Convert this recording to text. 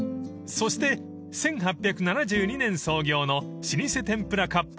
［そして１８７２年創業の老舗天ぷら割烹］